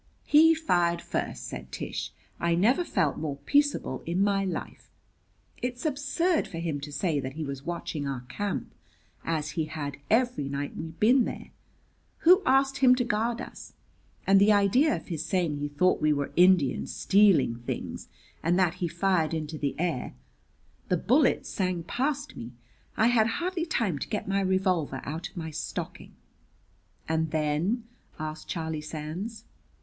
"He fired first," said Tish. "I never felt more peaceable in my life. It's absurd for him to say that he was watching our camp, as he had every night we'd been there. Who asked him to guard us? And the idea of his saying he thought we were Indians stealing things, and that he fired into the air! The bullets sang past me. I had hardly time to get my revolver out of my stocking." "And then?" asked Charlie Sands.